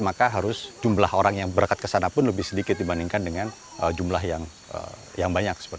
maka harus jumlah orang yang berangkat ke sana pun lebih sedikit dibandingkan dengan jumlah yang banyak